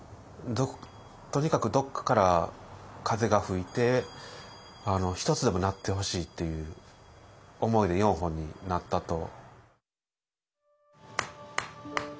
とにかくどっかから風が吹いて１つでも鳴ってほしいっていう思いで４本になったと。